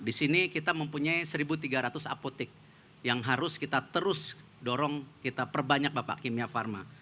di sini kita mempunyai satu tiga ratus apotek yang harus kita terus dorong kita perbanyak bapak kimia pharma